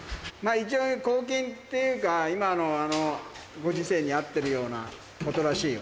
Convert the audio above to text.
一応、抗菌っていうか、今のご時世に合ってるようなことらしいよ。